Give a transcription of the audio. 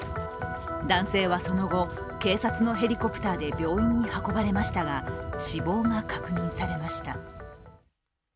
男性は、その後、警察のヘリコプターで病院に運ばれましたが死亡が確認されました。